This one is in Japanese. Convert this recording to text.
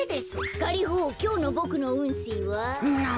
ガリホきょうのボクのうんせいは？